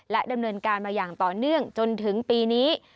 ดำเนินการมาอย่างต่อเนื่องจนถึงปีนี้